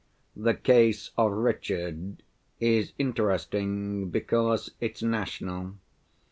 The case of Richard is interesting because it's national.